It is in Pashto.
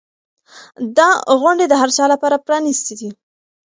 دا غونډې د هر چا لپاره پرانیستې دي.